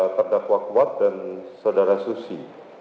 tanda kuat kuat dan saudara susi